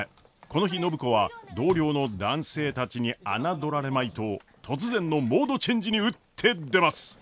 この日暢子は同僚の男性たちに侮られまいと突然のモードチェンジに打って出ます。